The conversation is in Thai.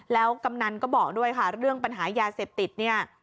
แล้วกำนันก็บอกด้วยค่ะเรื่องปัญหายาเสพติดเนี่ย